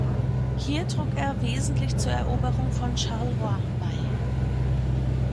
Hier trug er wesentlich zur Eroberung von Charleroi bei.